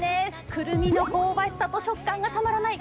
くるみの香ばしさと食感がたまらない